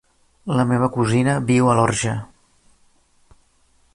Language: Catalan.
La meva cosina viu a l'Orxa.